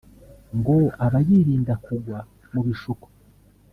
ngo aba yirinda kugwa mu bishuko